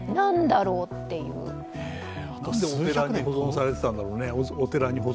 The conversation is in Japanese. どうやってお寺に保存されてたんだろうね。